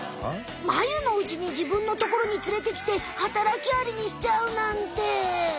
マユのうちに自分の所に連れてきて働きアリにしちゃうなんて。